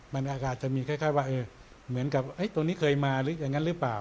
มันอาจจะมีคล้ายว่าเหมือนกับตัวนี้เคยมาหรืออย่างนั้นหรือเปล่า